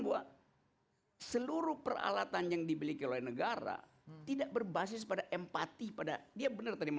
buat seluruh peralatan yang dibelikan oleh negara tidak berbasis pada empati pada dia benar terima